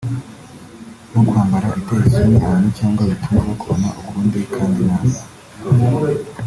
nko kwambara ibiteye isoni abantu cyangwa bituma bakubona ukundi kandi nabi